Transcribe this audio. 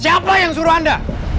siapa yang suruh anda